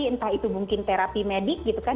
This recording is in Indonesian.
jadi entah itu mungkin terapi medik gitu kan